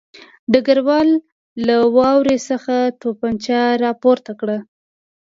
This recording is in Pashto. ډګروال له واورې څخه توپانچه راپورته کړه